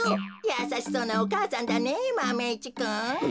やさしそうなお母さんだねマメ１くん。